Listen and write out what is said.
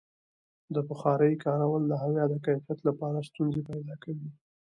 د بخارۍ کارول د هوا د کیفیت لپاره ستونزې پیدا کوي.